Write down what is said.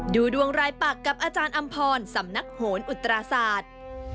ดูดวงรายปักกับอาจารย์อำพรสำนักโหนอุตราศาสตร์